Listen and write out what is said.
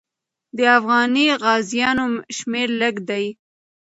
د افغاني غازیانو شمېر لږ دی.